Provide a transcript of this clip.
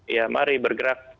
ya mari bergerak